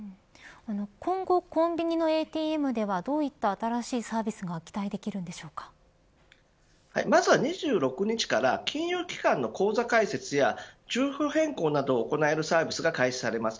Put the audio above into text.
今後、コンビニのＡＴＭではどういった新しいサービスがまずは２６日から金融機関の口座開設や住所変更などが行えるサービスが開始されます。